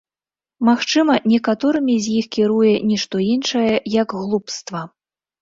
Магчыма, некаторымі з іх кіруе ні што іншае, як глупства.